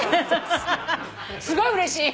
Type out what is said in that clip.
すごいうれしい。